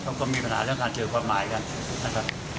เขาก็มีปัญหาเรื่องการเจอความหมายกันนะครับ